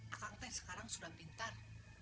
akan teh sekarang sudah pintar